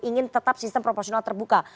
ingin tetap sistem proporsional terbuka